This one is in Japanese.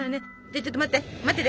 じゃちょっと待って。